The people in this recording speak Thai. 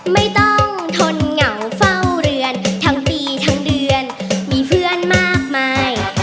ไม่ต้องทนเหงาเฝ้าเรือนทั้งปีทั้งเดือนมีเพื่อนมากมาย